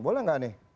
boleh gak nih